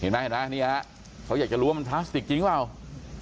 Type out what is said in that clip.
เห็นไหมเห็นไหมนี่ฮะเขาอยากจะรู้ว่ามันพลาสติกจริงหรือเปล่า